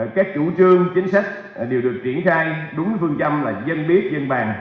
các chủ trương chính sách đều được triển khai đúng phương châm là dân biết dân bàn